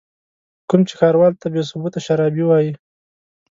کوم چې ښاروال ته بې ثبوته شرابي وايي.